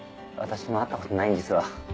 私も会ったことないんですわ。